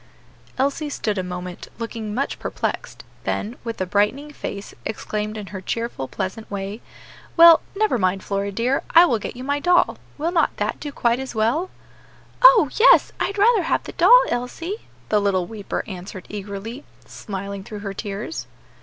Elsie stood a moment looking much perplexed; then, with a brightening face, exclaimed in her cheerful, pleasant way, "Well, never mind, Flora, dear, I will get you my doll. Will not that do quite as well?" "Oh! yes, I'd rather have the doll, Elsie," the little weeper answered eagerly, smiling through her tears.